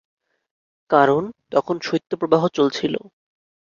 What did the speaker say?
কারণ, তখন শৈত্যপ্রবাহ চলছিল।